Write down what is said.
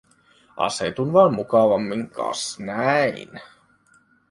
Asetun vaan mukavammin, kas näin.